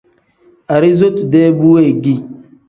Arizotu-dee bu weegii.